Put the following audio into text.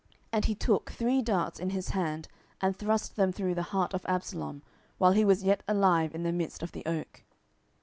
And he took three darts in his hand, and thrust them through the heart of Absalom, while he was yet alive in the midst of the oak.